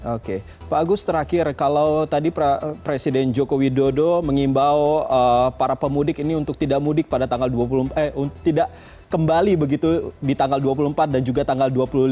oke pak agus terakhir kalau tadi presiden joko widodo mengimbau para pemudik ini untuk tidak mudik pada tanggal tidak kembali begitu di tanggal dua puluh empat dan juga tanggal dua puluh lima